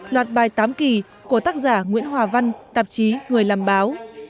loạt bài tám kỳ của tác giả nguyễn hòa văn tạp chí người làm báo